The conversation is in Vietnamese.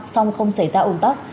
song không xảy ra ủng tắc